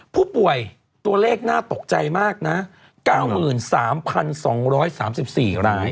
ผู้ป่วยตัวเลขน่าตกใจมากนะ๙๓๒๓๔ราย